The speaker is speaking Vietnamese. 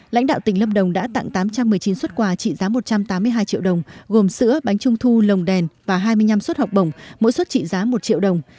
lãnh đạo tỉnh lâm đồng đã tặng tám trăm một mươi chín xuất quà trị giá một trăm tám mươi hai triệu đồng gồm sữa bánh trung thu lồng đèn và hai mươi năm suất học bổng mỗi suất trị giá một triệu đồng